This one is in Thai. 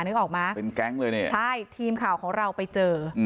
นึกออกไหมเป็นแก๊งเลยเนี่ยใช่ทีมข่าวของเราไปเจอ